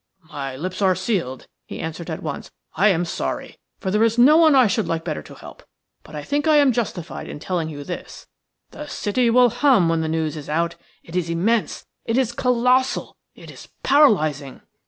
"My lips are sealed," he answered at once. "I am sorry, for there is no one I should like better to help. But I think I am justified in telling you this – the City will hum when the news is out. It is immense, it is colossal, it is paralyzing."